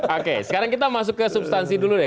oke sekarang kita masuk ke substansi dulu deh